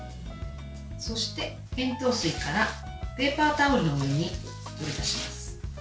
そして、塩糖水からペーパータオルの上に取り出します。